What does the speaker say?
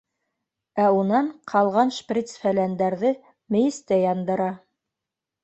Ә унан ҡалған шприц-фәләндәрҙе мейестә яндыра.